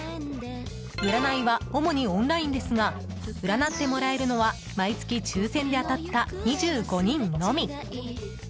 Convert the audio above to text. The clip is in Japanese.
占いは主にオンラインですが占ってもらえるのは毎月抽選で当たった２５人のみ。